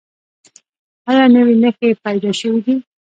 ایا نوي نښې پیدا شوي دي؟